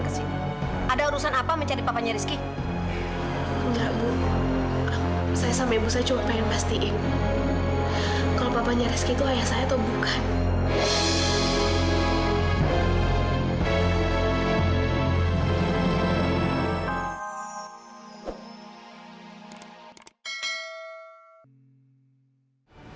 kalau papanya rizky itu ayah saya atau bukan